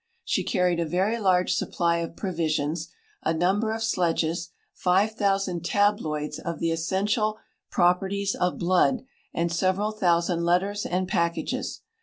She carried a very large supply of provisions, a number of sledges, 5,000 tabloids of the essential proper ties of blood, and several thousand letters and packages.